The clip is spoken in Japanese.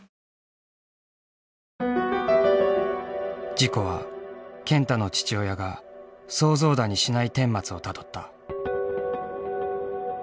事故は健太の父親が想像だにしない顛末をたどった。